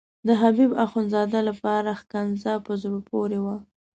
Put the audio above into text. د حبیب اخندزاده لپاره ښکنځا په زړه پورې وه.